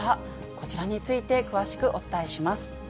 こちらについて、詳しくお伝えします。